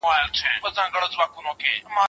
که مرسته غواړي مه دریږئ.